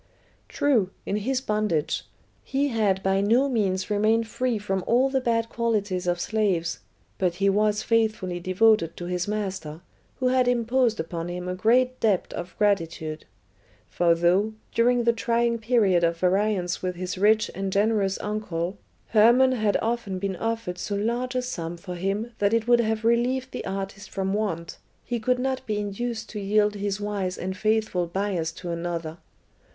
True, in his bondage he had by no means remained free from all the bad qualities of slaves, but he was faithfully devoted to his master, who had imposed upon him a great debt of gratitude; for though, during the trying period of variance with his rich and generous uncle, Hermon had often been offered so large a sum for him that it would have relieved the artist from want, he could not be induced to yield his "wise and faithful Bias" to another.